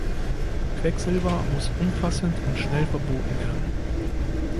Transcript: Quecksilber muss umfassend und schnell verboten werden.